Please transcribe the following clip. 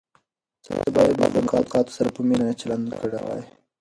سړی باید د مخلوقاتو سره په مینه چلند کړی وای.